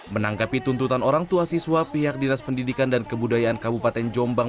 menanggapi tuntutan orang tua siswa pihak dinas pendidikan dan kebudayaan kabupaten jombang